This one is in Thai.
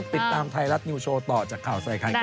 ติดตามไทยรัฐนิวโชว์ต่อจากข่าวใส่ไข่ครับ